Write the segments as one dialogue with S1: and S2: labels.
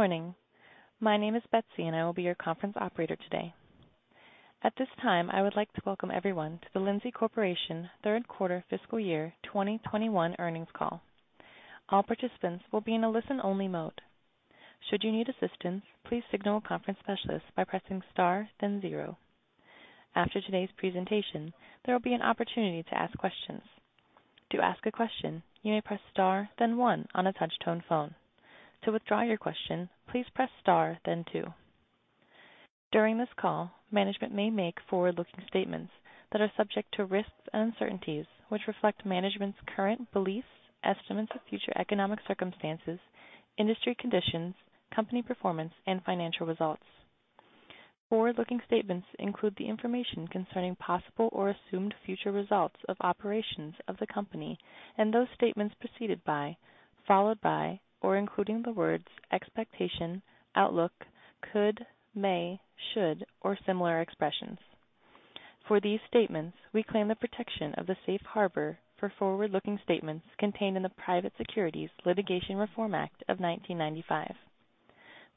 S1: Good morning. My name is Betsy and I will be your conference operator today. At this time, I would like to welcome everyone to the Lindsay Corporation Q3 fiscal year 2021 earnings call. All participants will be in a listen-only mode. Should you need assistance, please signal a conference specialist by pressing star then zero. After today's presentation, there will be an opportunity to ask questions. To ask a question, you may press star then one on a touch-tone phone. To withdraw your question, please press star then two. During this call, management may make forward-looking statements that are subject to risks and uncertainties, which reflect management's current beliefs, estimates of future economic circumstances, industry conditions, company performance, and financial results. Forward-looking statements include the information concerning possible or assumed future results of operations of the company and those statements preceded by, followed by, or including the words "expectation," "outlook," "could," "may," "should," or similar expressions. For these statements, we claim the protection of the safe harbor for forward-looking statements contained in the Private Securities Litigation Reform Act of 1995.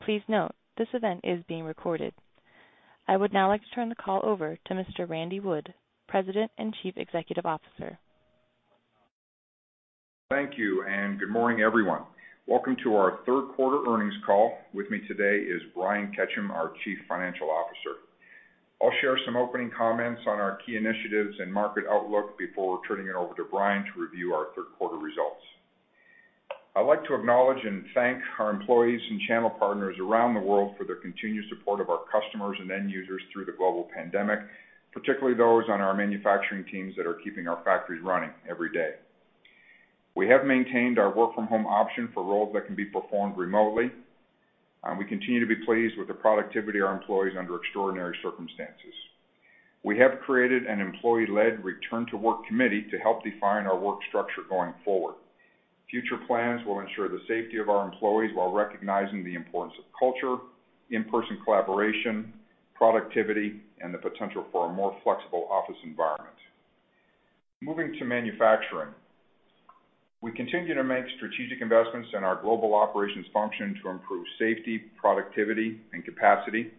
S1: Please note, this event is being recorded. I would now like to turn the call over to Mr. Randy Wood, President and Chief Executive Officer.
S2: Thank you. Good morning, everyone. Welcome to our Q3 earnings call. With me today is Brian Ketcham, our Chief Financial Officer. I'll share some opening comments on our key initiatives and market outlook before turning it over to Brian to review our Q3 results. I'd like to acknowledge and thank our employees and channel partners around the world for their continued support of our customers and end users through the global pandemic, particularly those on our manufacturing teams that are keeping our factories running every day. We have maintained our work from home option for roles that can be performed remotely, and we continue to be pleased with the productivity of our employees under extraordinary circumstances. We have created an employee-led return to work committee to help define our work structure going forward. Future plans will ensure the safety of our employees while recognizing the importance of culture, in-person collaboration, productivity, and the potential for a more flexible office environment. Moving to manufacturing. We continue to make strategic investments in our global operations function to improve safety, productivity, and capacity.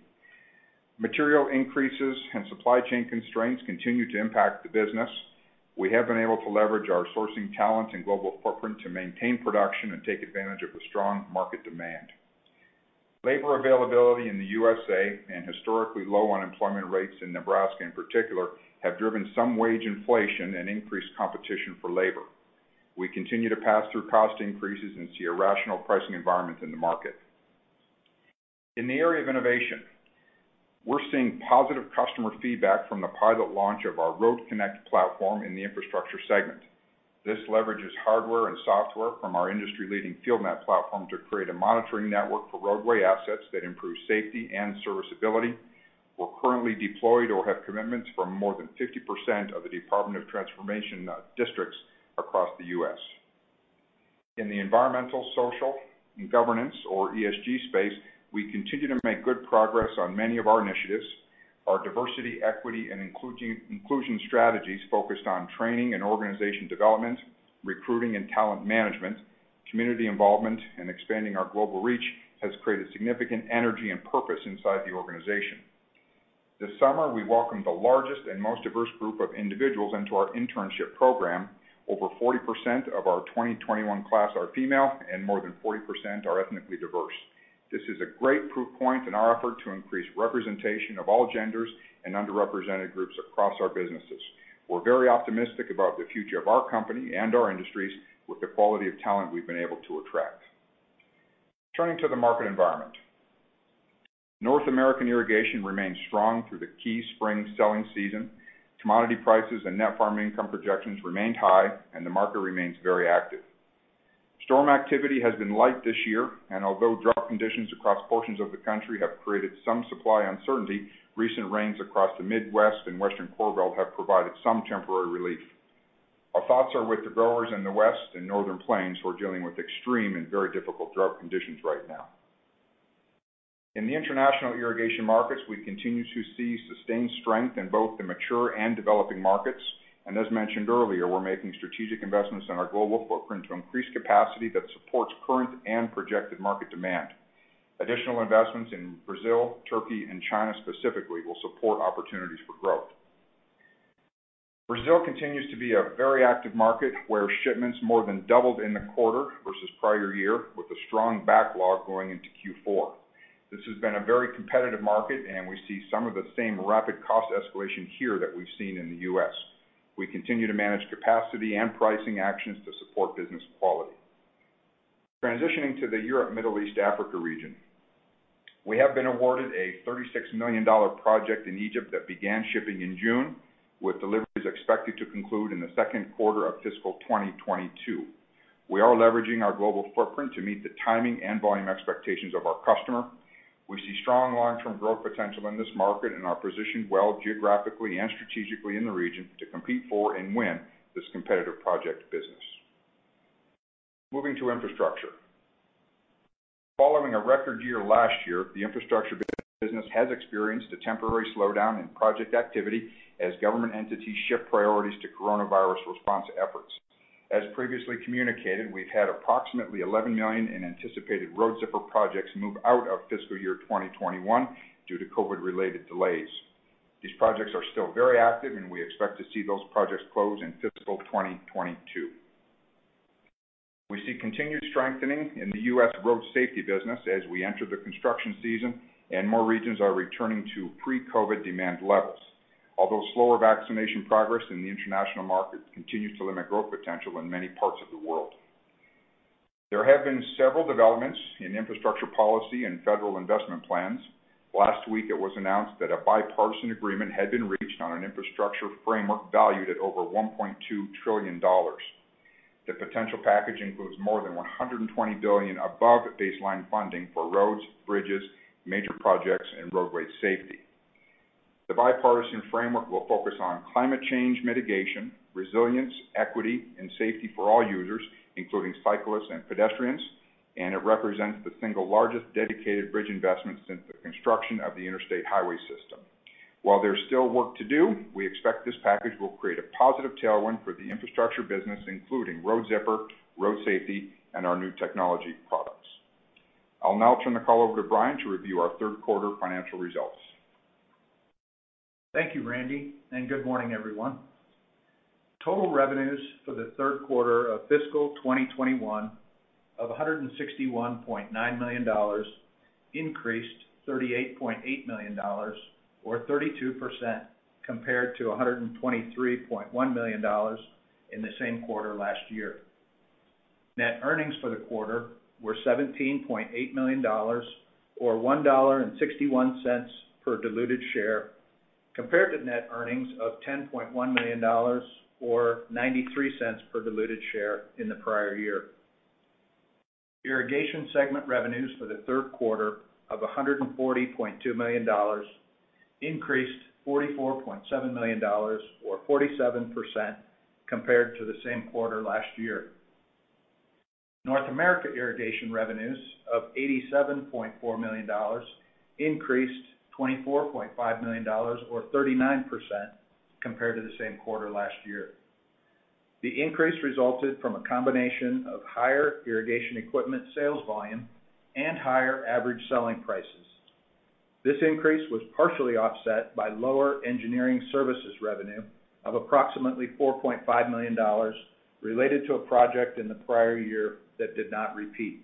S2: Material increases and supply chain constraints continue to impact the business. We have been able to leverage our sourcing talent and global footprint to maintain production and take advantage of the strong market demand. Labor availability in the U.S.A and historically low unemployment rates in Nebraska, in particular, have driven some wage inflation and increased competition for labor. We continue to pass through cost increases and see a rational pricing environment in the market. In the area of innovation, we're seeing positive customer feedback from the pilot launch of our RoadConnect platform in the infrastructure segment. This leverages hardware and software from our industry-leading FieldNET platform to create a monitoring network for roadway assets that improve safety and serviceability. We're currently deployed or have commitments from more than 50% of the Department of Transportation districts across the U.S. In the environmental, social, and governance, or ESG space, we continue to make good progress on many of our initiatives. Our diversity, equity, and inclusion strategies focused on training and organization development, recruiting and talent management, community involvement, and expanding our global reach has created significant energy and purpose inside the organization. This summer, we welcomed the largest and most diverse group of individuals into our internship program. Over 40% of our 2021 class are female, and more than 40% are ethnically diverse. This is a great proof point in our effort to increase representation of all genders and underrepresented groups across our businesses. We're very optimistic about the future of our company and our industries with the quality of talent we've been able to attract. Turning to the market environment. North American irrigation remains strong through the key spring selling season. Commodity prices and net farming income projections remained high, and the market remains very active. Storm activity has been light this year, and although drought conditions across portions of the country have created some supply uncertainty, recent rains across the Midwest and Western Corn Belt have provided some temporary relief. Our thoughts are with the growers in the west and northern plains who are dealing with extreme and very difficult drought conditions right now. In the international irrigation markets, we continue to see sustained strength in both the mature and developing markets. As mentioned earlier, we're making strategic investments in our global footprint to increase capacity that supports current and projected market demand. Additional investments in Brazil, Turkey, and China specifically will support opportunities for growth. Brazil continues to be a very active market where shipments more than doubled in a quarter versus prior year with a strong backlog going into Q4. This has been a very competitive market. We see some of the same rapid cost escalation here that we've seen in the U.S. We continue to manage capacity and pricing actions to support business quality. Transitioning to the Europe, Middle East, Africa region. We have been awarded a $36 million project in Egypt that began shipping in June, with deliveries expected to conclude in the Q2 of fiscal 2022. We are leveraging our global footprint to meet the timing and volume expectations of our customer. We see strong long-term growth potential in this market and are positioned well geographically and strategically in the region to compete for and win this competitive project business. Moving to infrastructure. Following a record year last year, the infrastructure business has experienced a temporary slowdown in project activity as government entities shift priorities to coronavirus response efforts. As previously communicated, we've had approximately $11 million in anticipated Road Zipper projects move out of fiscal year 2021 due to COVID-related delays. These projects are still very active, and we expect to see those projects close in fiscal 2022. We see continued strengthening in the U.S. road safety business as we enter the construction season and more regions are returning to pre-COVID demand levels. Slower vaccination progress in the international market continues to limit growth potential in many parts of the world. There have been several developments in infrastructure policy and federal investment plans. Last week, it was announced that a bipartisan agreement had been reached on an infrastructure framework valued at over $1.2 trillion. The potential package includes more than $120 billion above baseline funding for roads, bridges, major projects, and roadway safety. The bipartisan framework will focus on climate change mitigation, resilience, equity, and safety for all users, including cyclists and pedestrians, and it represents the single largest dedicated bridge investment since the construction of the Interstate Highway System. While there's still work to do, we expect this package will create a positive tailwind for the infrastructure business, including Road Zipper, road safety, and our new technology products. I'll now turn the call over to Brian to review our Q3 financial results.
S3: Thank you, Randy, and good morning, everyone. Total revenues for the Q3 of fiscal 2021 of $161.9 million increased $38.8 million or 32% compared to $123.1 million in the same quarter last year. Net earnings for the quarter were $17.8 million or $1.61 per diluted share, compared to net earnings of $10.1 million or $0.93 per diluted share in the prior year. Irrigation segment revenues for the Q3 of $140.2 million increased $44.7 million or 47% compared to the same quarter last year. North America irrigation revenues of $87.4 million increased $24.5 million or 39% compared to the same quarter last year. The increase resulted from a combination of higher irrigation equipment sales volume and higher average selling prices. This increase was partially offset by lower engineering services revenue of approximately $4.5 million related to a project in the prior year that did not repeat.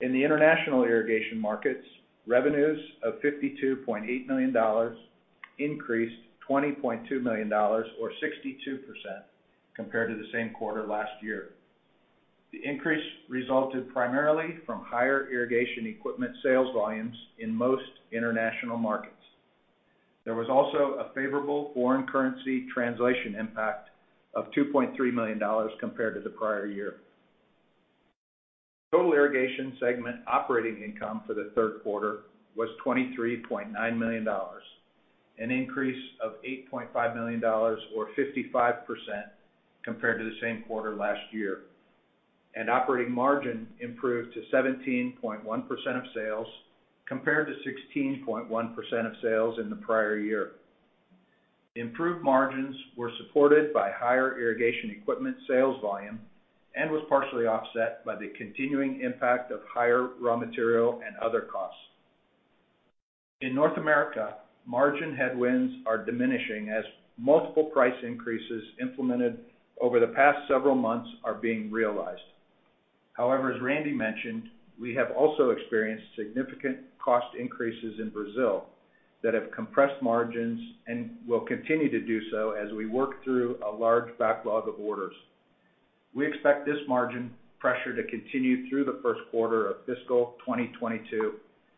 S3: In the international irrigation markets, revenues of $52.8 million increased $20.2 million or 62% compared to the same quarter last year. The increase resulted primarily from higher irrigation equipment sales volumes in most international markets. There was also a favorable foreign currency translation impact of $2.3 million compared to the prior year. Total irrigation segment operating income for the Q3 was $23.9 million, an increase of $8.5 million or 55% compared to the same quarter last year. Operating margin improved to 17.1% of sales compared to 16.1% of sales in the prior year. Improved margins were supported by higher irrigation equipment sales volume and was partially offset by the continuing impact of higher raw material and other costs. In North America, margin headwinds are diminishing as multiple price increases implemented over the past several months are being realized. However, as Randy mentioned, we have also experienced significant cost increases in Brazil that have compressed margins and will continue to do so as we work through a large backlog of orders. We expect this margin pressure to continue through the Q1 of fiscal 2022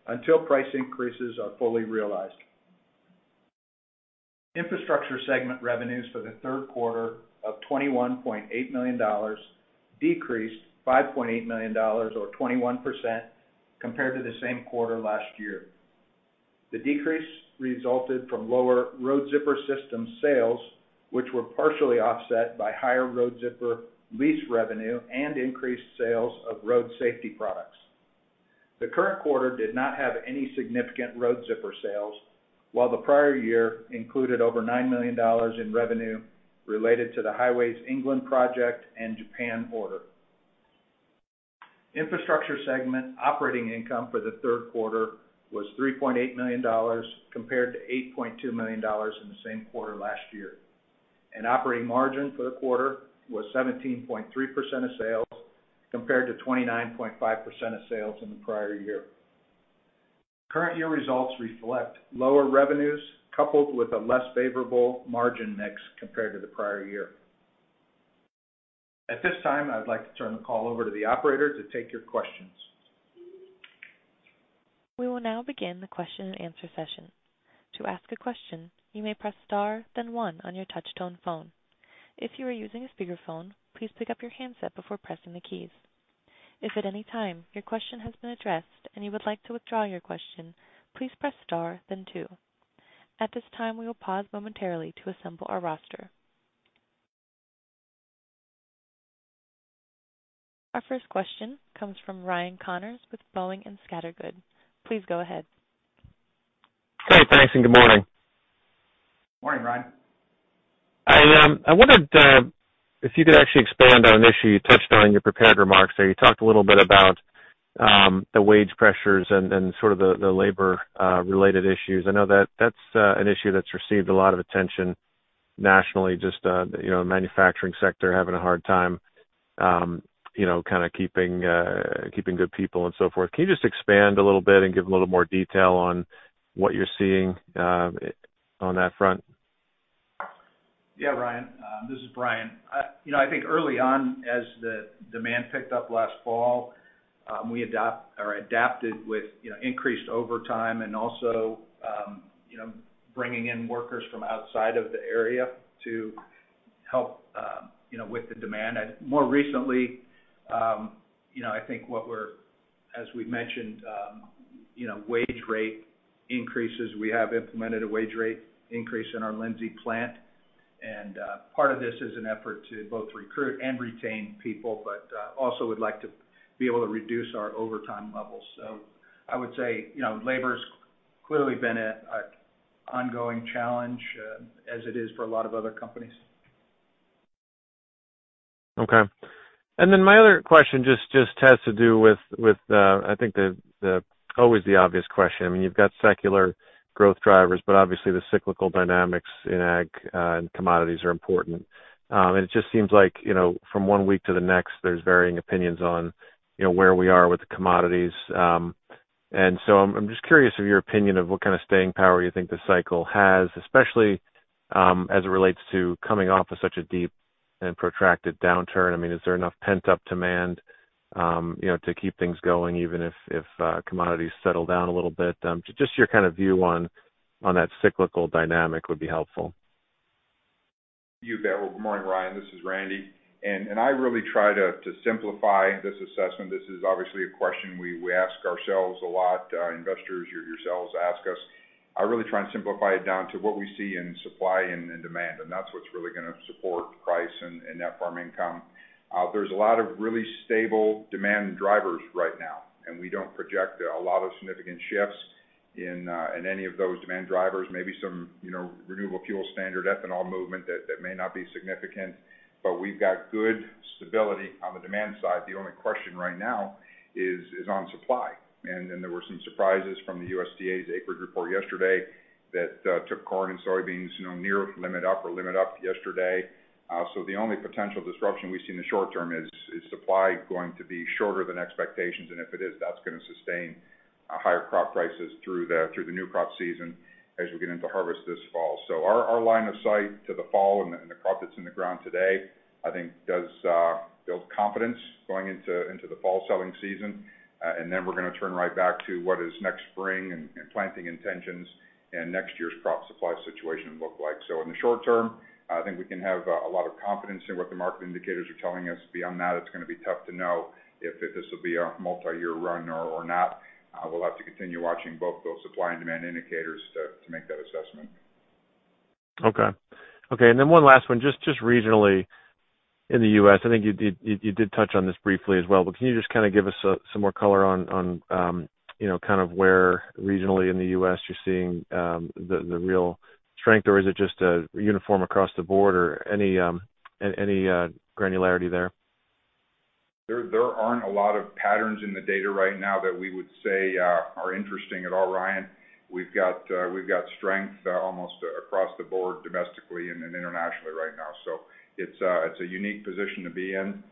S3: until price increases are fully realized. Infrastructure segment revenues for the Q3 of $21.8 million decreased $5.8 million or 21% compared to the same quarter last year. The decrease resulted from lower Road Zipper system sales, which were partially offset by higher Road Zipper lease revenue and increased sales of road safety products. The current quarter did not have any significant Road Zipper sales, while the prior year included over $9 million in revenue related to the Highways England project and Japan order. Infrastructure Segment operating income for the Q3 was $3.8 million compared to $8.2 million in the same quarter last year. Operating margin for the quarter was 17.3% of sales compared to 29.5% of sales in the prior year. Current year results reflect lower revenues coupled with a less favorable margin mix compared to the prior year. At this time, I would like to turn the call over to the operator to take your questions.
S1: We will now begin question-and-answer session. To ask a question, you may press star then one on your touch-tone phone. If you are using speaker phone please pick up your handset before pressing the keys. If at anytime your question has been addressed and you would like to withdraw your question, please press star then two. At this time we will pause momentarily to assemble a roster. Our first question comes from Ryan Connors with Boenning & Scattergood. Please go ahead.
S4: Thanks and good morning.
S2: Morning, Ryan.
S4: I wondered if you could actually expand on an issue you touched on in your prepared remarks. You talked a little bit about the wage pressures and then sort of the labor related issues. I know that's an issue that's received a lot of attention nationally, just the manufacturing sector having a hard time keeping good people and so forth. Can you just expand a little bit and give a little more detail on what you're seeing on that front?
S3: Yeah, Ryan. This is Brian. I think early on as the demand picked up last fall, we adapted with increased overtime and also bringing in workers from outside of the area to help with the demand. More recently, I think as we've mentioned, wage rate increases. We have implemented a wage rate increase in our Lindsay plant, and part of this is an effort to both recruit and retain people, but also would like to be able to reduce our overtime levels. I would say, labor's clearly been an ongoing challenge, as it is for a lot of other companies.
S4: Okay. My other question just has to do with the, I think, always the obvious question. You've got secular growth drivers, but obviously the cyclical dynamics in ag and commodities are important. It just seems like, from one week to the next, there's varying opinions on where we are with commodities. I'm just curious of your opinion of what kind of staying power you think the cycle has, especially, as it relates to coming off of such a deep and protracted downturn. Is there enough pent-up demand to keep things going, even if commodities settle down a little bit? Just your view on that cyclical dynamic would be helpful.
S2: You bet. Well, good morning, Ryan. This is Randy, and I really try to simplify this assessment. This is obviously a question we ask ourselves a lot, investors or yourselves ask us. I really try and simplify it down to what we see in supply and in demand, and that's what's really going to support price and net farm income. There's a lot of really stable demand drivers right now, and we don't project a lot of significant shifts in any of those demand drivers. Maybe some Renewable Fuel Standard ethanol movement that may not be significant, but we've got good stability on the demand side. The only question right now is on supply. There were some surprises from the USDA's acreage report yesterday that took corn and soybeans near limit up or limit up yesterday. The only potential disruption we see in the short term is supply going to be shorter than expectations, and if it is, that's going to sustain higher crop prices through the new crop season as we get into harvest this fall. Our line of sight to the fall and the crop that's in the ground today, I think, does build confidence going into the fall selling season. We're going to turn right back to what is next spring and planting intentions and next year's crop supply situation look like. In the short term, I think we can have a lot of confidence in what the market indicators are telling us. Beyond that, it's going to be tough to know if this will be a multi-year run or not. We'll have to continue watching both those supply and demand indicators to make that assessment.
S4: Okay. One last one, just regionally in the U.S. I think you did touch on this briefly as well, can you just give us some more color on where regionally in the U.S. you're seeing the real strength, or is it just uniform across the board or any granularity there?
S2: There aren't a lot of patterns in the data right now that we would say are interesting at all, Ryan. We've got strength almost across the board domestically and internationally right now. It's a unique position to be in.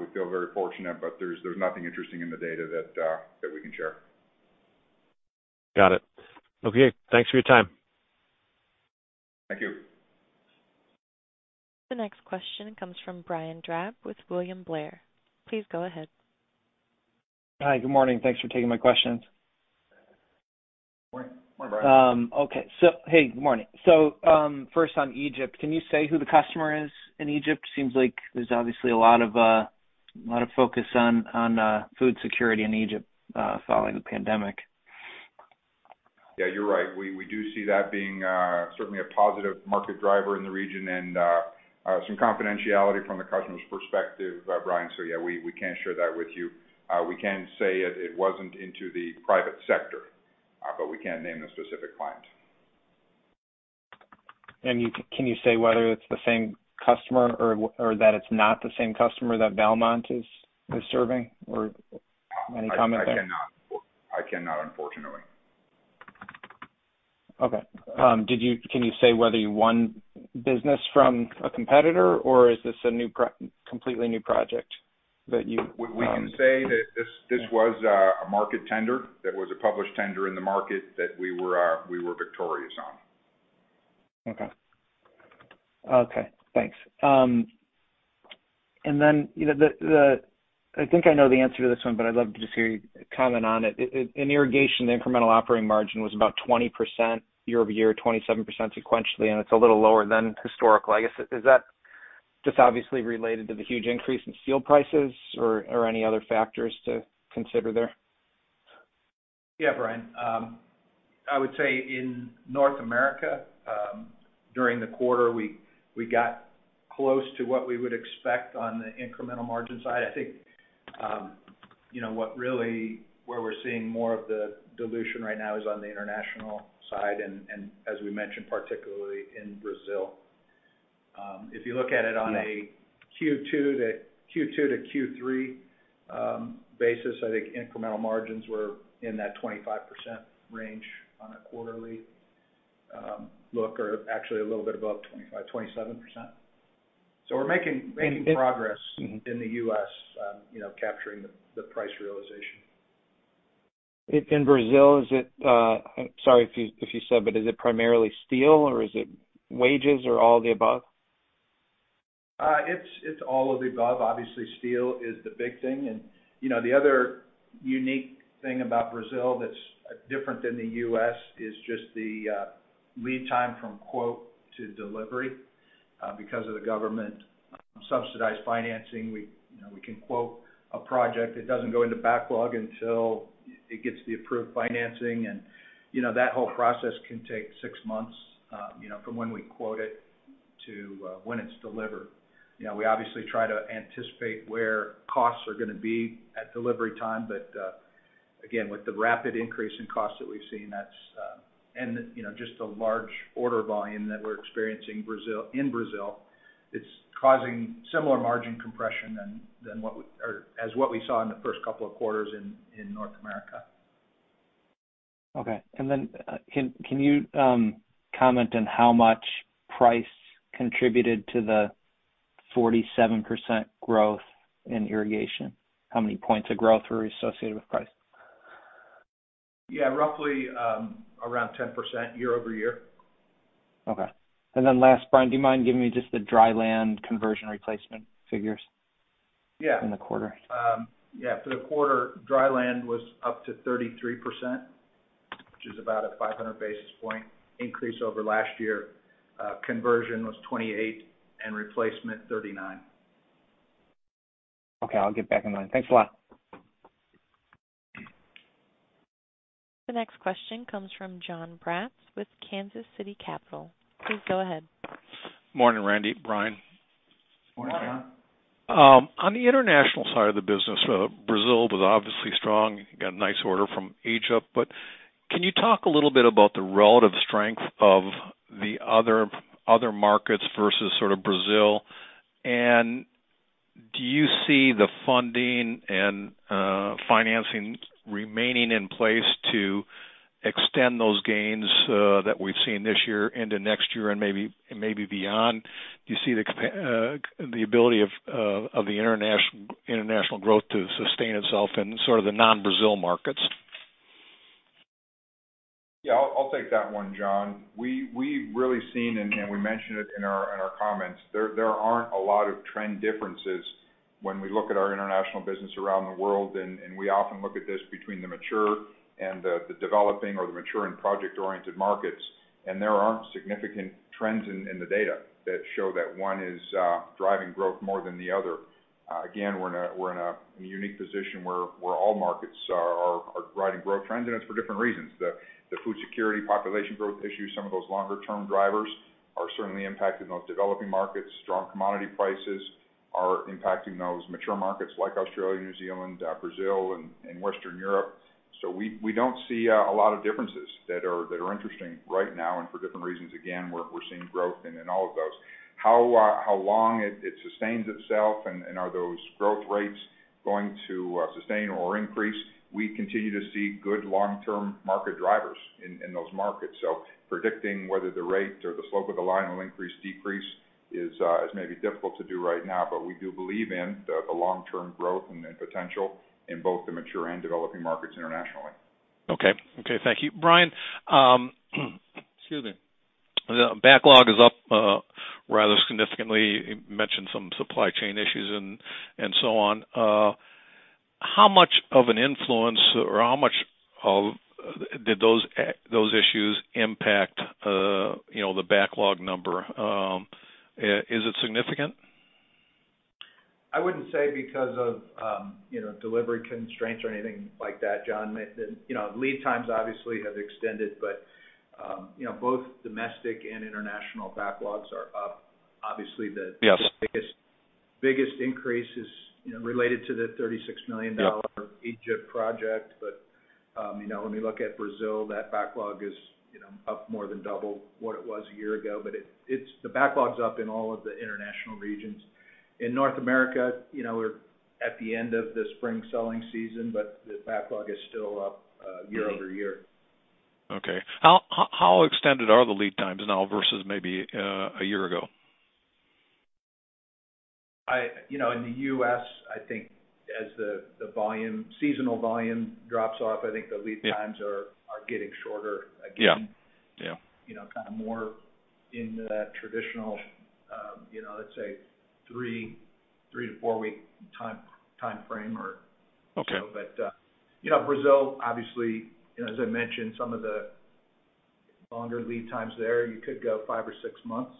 S2: We feel very fortunate, but there's nothing interesting in the data that we can share.
S4: Got it. Okay. Thanks for your time.
S2: Thank you.
S1: The next question comes from Brian Drab with William Blair. Please go ahead.
S5: Hi. Good morning. Thanks for taking my questions.
S2: Morning. Hi, Brian.
S5: Okay. Hey, good morning. First on Egypt, can you say who the customer is in Egypt? Seems like there's obviously a lot of focus on food security in Egypt following the pandemic.
S2: Yeah, you're right. We do see that being certainly a positive market driver in the region and some confidentiality from the customer's perspective, Brian. Yeah, we can't share that with you. We can say it wasn't into the private sector. We can't name a specific client.
S5: Can you say whether it's the same customer or that it's not the same customer that Valmont is serving or any comment there?
S2: I cannot, unfortunately.
S5: Okay. Can you say whether you won business from a competitor, or is this a completely new project?
S2: We can say that this was a market tender, that was a published tender in the market that we were victorious on.
S5: Okay. Thanks. I think I know the answer to this one, but I'd love to just hear your comment on it. In irrigation, the incremental operating margin was about 20% year-over-year, 27% sequentially, and it's a little lower than historical, I guess. Is that just obviously related to the huge increase in steel prices or any other factors to consider there?
S3: Yeah, Brian. I would say in North America, during the quarter, we got close to what we would expect on the incremental margin side. I think where we're seeing more of the dilution right now is on the international side, and as we mentioned, particularly in Brazil. If you look at it on a Q2 to Q3 basis, I think incremental margins were in that 25% range on a quarterly look, or actually a little bit above 25%-27%. We're making progress in the U.S. capturing the price realization.
S5: In Brazil, is it, sorry if you said, but is it primarily steel or is it wages or all the above?
S3: It's all of the above. Obviously, steel is the big thing. The other unique thing about Brazil that's different than the U.S. is just the lead time from quote to delivery. Because of the government subsidized financing, we can quote a project that doesn't go into backlog until it gets the approved financing. That whole process can take six months from when we quote it to when it's delivered. We obviously try to anticipate where costs are going to be at delivery time. Again, with the rapid increase in cost that we've seen, and just the large order volume that we're experiencing in Brazil, it's causing similar margin compression as what we saw in the first couple of quarters in North America.
S5: Okay. Can you comment on how much price contributed to the 47% growth in irrigation? How many points of growth were associated with price?
S3: Yeah, roughly around 10% year-over-year.
S5: Okay. Last, Brian, do you mind giving me just the dry land conversion replacement figures?
S3: Yeah.
S5: In the quarter.
S3: Yeah. For the quarter, dry land was up to 33%, which is about a 500 basis point increase over last year. Conversion was 28% and replacement 39%.
S5: Okay. I'll get back in line. Thanks a lot.
S1: The next question comes from Jon Braatz with Kansas City Capital. Please go ahead.
S6: Morning, Randy. Brian.
S3: Morning, Jon.
S6: On the international side of the business, Brazil was obviously strong. You got a nice order from Egypt. Can you talk a little bit about the relative strength of the other markets versus Brazil? Do you see the funding and financing remaining in place to extend those gains that we've seen this year into next year and maybe beyond? Do you see the ability of the international growth to sustain itself in the non-Brazil markets?
S2: Yeah. I'll take that one, Jon. We've really seen, and we mentioned it in our comments, there aren't a lot of trend differences when we look at our international business around the world, and we often look at this between the mature and the developing or the mature and project-oriented markets. There aren't significant trends in the data that show that one is driving growth more than the other. Again, we're in a unique position where all markets are driving growth trends in it for different reasons. The food security, population growth issue, some of those longer-term drivers are certainly impacting those developing markets. Strong commodity prices are impacting those mature markets like Australia, New Zealand, Brazil, and Western Europe. We don't see a lot of differences that are interesting right now and for different reasons, again, where we're seeing growth in all of those.
S3: How long it sustains itself and are those growth rates going to sustain or increase? We continue to see good long-term market drivers in those markets. Predicting whether the rates or the slope of the line will increase, decrease is maybe difficult to do right now, but we do believe in the long-term growth and the potential in both the mature and developing markets internationally.
S6: Okay. Thank you. Brian, excuse me. Backlog is up rather significantly. You mentioned some supply chain issues and so on. How much of an influence, or how much did those issues impact the backlog number? Is it significant?
S3: I wouldn't say because of delivery constraints or anything like that, Jon. Lead times obviously have extended. Both domestic and international backlogs are up.
S6: Yes.
S3: Biggest increase is related to the $36 million.
S6: Yeah.
S3: Egypt project. When we look at Brazil, that backlog is up more than double what it was one year ago. The backlog's up in all of the international regions. In North America, we're at the end of the spring selling season, but the backlog is still up year-over-year.
S6: Okay. How extended are the lead times now versus maybe a year ago?
S3: In the U.S., I think as the seasonal volume drops off, I think the lead times are getting shorter again.
S6: Yeah. Kind of more in the traditional let's say three, four-week time frame or. Okay.
S3: Brazil, obviously, as I mentioned, some of the longer lead times there, you could go five or six months.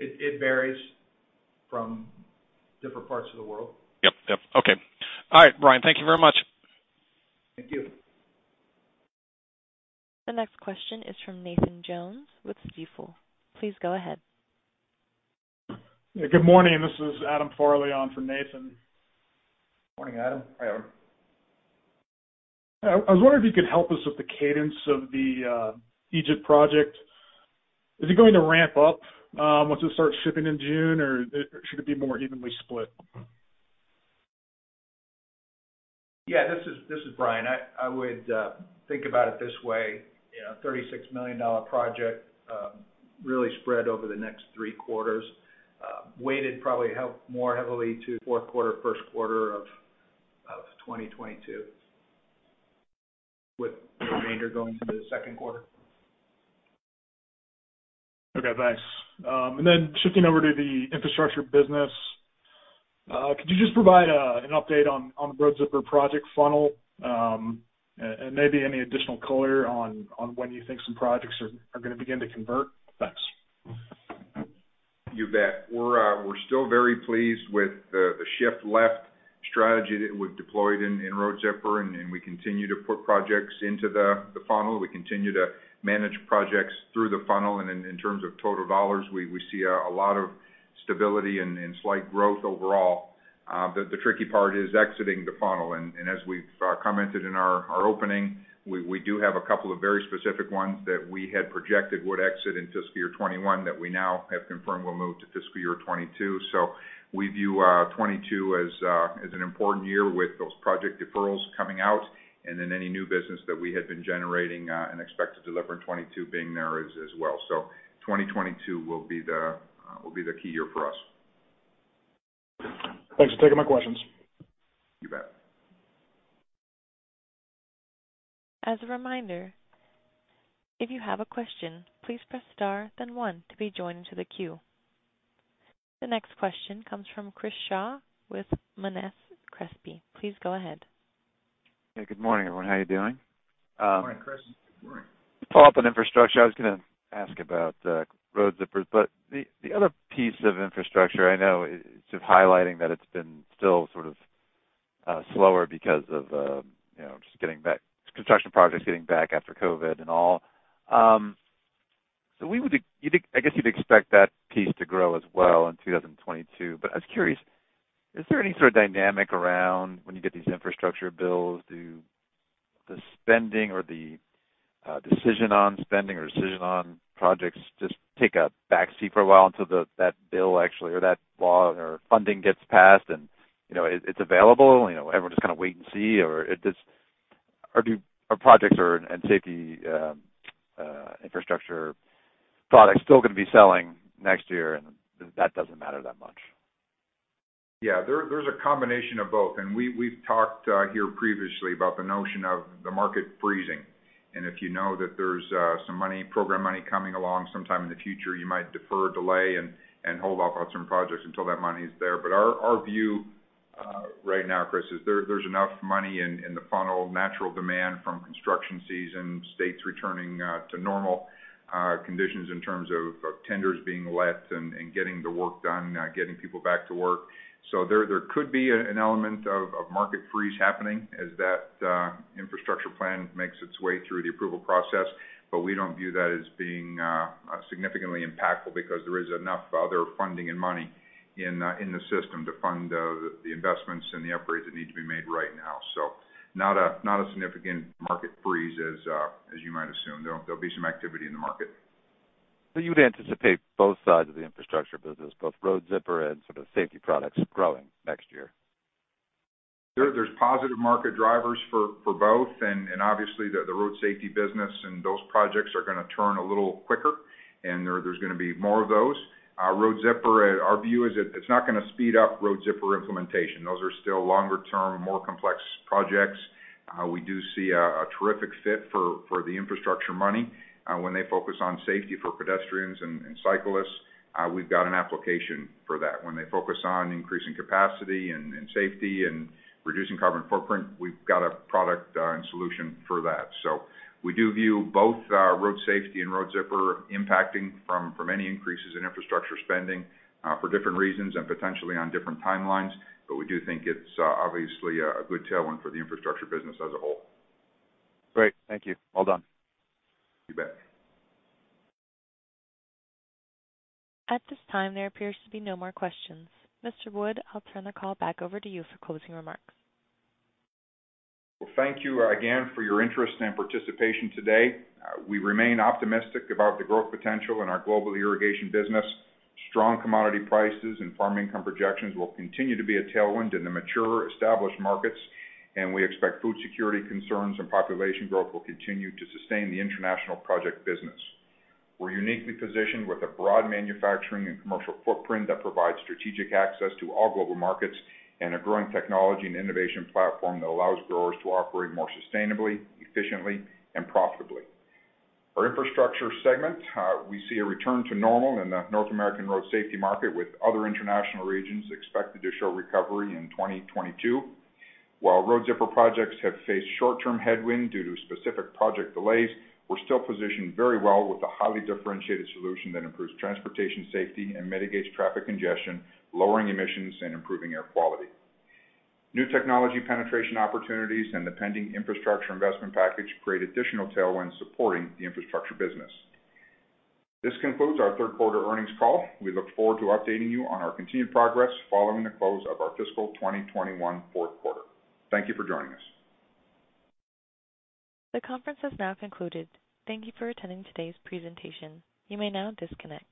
S3: It varies from different parts of the world.
S6: Yep. Okay. All right, Brian, thank you very much.
S3: Thank you.
S1: The next question is from Nathan Jones with Stifel. Please go ahead.
S7: Yeah. Good morning. This is Adam Farley on for Nathan.
S3: Morning, Adam.
S2: Hi, Adam.
S7: I was wondering if you could help us with the cadence of the Egypt project. Is it going to ramp up once it starts shipping in June, or should it be more evenly split?
S3: Yeah, this is Brian. I would think about it this way: $36 million project really spread over the next three quarters, weighted probably more heavily to Q4, Q1 of 2022, with the remainder going to the Q2.
S7: Okay, thanks. Shifting over to the infrastructure business, could you just provide an update on the Road Zipper project funnel? Maybe any additional color on when you think some projects are going to begin to convert. Thanks.
S2: You bet. We're still very pleased with the shift left strategy that we've deployed in Road Zipper, and we continue to put projects into the funnel. We continue to manage projects through the funnel, and in terms of total dollars, we see a lot of stability and slight growth overall. The tricky part is exiting the funnel, and as we've commented in our opening, we do have two very specific ones that we had projected would exit in fiscal year 2021 that we now have confirmed will move to fiscal year 2022. We view 2022 as an important year with those project deferrals coming out and then any new business that we had been generating and expect to deliver in 2022 being there as well. 2022 will be the key year for us.
S7: Thanks for taking my questions.
S2: You bet.
S1: As a reminder, if you have a question, please press star then one to be joined into the queue. The next question comes from Chris Shaw with Monness Crespi. Please go ahead.
S8: Hey, good morning, everyone. How you doing?
S3: Good morning, Chris.
S2: Good morning.
S8: Just follow up on infrastructure. I was going to ask about Road Zipper, but the other piece of infrastructure I know it's just highlighting that it's been still sort of slower because of construction projects getting back after COVID and all. I guess you'd expect that piece to grow as well in 2022. I was curious, is there any sort of dynamic around when you get these infrastructure bills, do the spending or the decision on spending or decision on projects just take a back seat for a while until that bill actually or that law or funding gets passed and it's available, everyone's just kind of wait and see, or are projects and safety infrastructure products still going to be selling next year and that doesn't matter that much?
S2: Yeah. There's a combination of both. We've talked here previously about the notion of the market freezing. If you know that there's some program money coming along sometime in the future, you might defer, delay and hold off on some projects until that money's there. Our view right now, Chris, is there's enough money in the funnel, natural demand from construction season, states returning to normal conditions in terms of tenders being let and getting the work done, getting people back to work. There could be an element of market freeze happening as that infrastructure plan makes its way through the approval process. We don't view that as being significantly impactful because there is enough other funding and money in the system to fund the investments and the upgrades that need to be made right now. Not a significant market freeze as you might assume. There'll be some activity in the market.
S8: You'd anticipate both sides of the infrastructure business, both Road Zipper and sort of safety products growing next year?
S2: There's positive market drivers for both and obviously the road safety business and those projects are going to turn a little quicker and there's going to be more of those. Road Zipper, our view is it's not going to speed up Road Zipper implementation. Those are still longer term, more complex projects. We do see a terrific fit for the infrastructure money when they focus on safety for pedestrians and cyclists. We've got an application for that. When they focus on increasing capacity and safety and reducing carbon footprint, we've got a product and solution for that. We do view both road safety and Road Zipper impacting from any increases in infrastructure spending for different reasons and potentially on different timelines, but we do think it's obviously a good tailwind for the infrastructure business as a whole.
S8: Great. Thank you. Well done.
S2: You bet.
S1: At this time, there appears to be no more questions. Mr. Wood, I'll turn the call back over to you for closing remarks.
S2: Well, thank you again for your interest and participation today. We remain optimistic about the growth potential in our global irrigation business. Strong commodity prices and farm income projections will continue to be a tailwind in the mature, established markets, and we expect food security concerns and population growth will continue to sustain the international project business. We're uniquely positioned with a broad manufacturing and commercial footprint that provides strategic access to all global markets and a growing technology and innovation platform that allows growers to operate more sustainably, efficiently, and profitably. Our infrastructure segment, we see a return to normal in the North American road safety market, with other international regions expected to show recovery in 2022. While Road Zipper projects have faced short-term headwind due to specific project delays, we're still positioned very well with a highly differentiated solution that improves transportation safety and mitigates traffic congestion, lowering emissions and improving air quality. New technology penetration opportunities and the pending infrastructure investment package create additional tailwinds supporting the infrastructure business. This concludes our Q3 earnings call. We look forward to updating you on our continued progress following the close of our fiscal 2021 Q4. Thank you for joining us.
S1: The conference has now concluded. Thank you for attending today's presentation. You may now disconnect.